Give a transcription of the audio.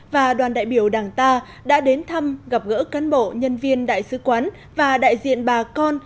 và đoàn đại biểu đảng ta đã đến thăm gặp gỡ cán bộ nhân viên đại sứ quán và đại diện bà con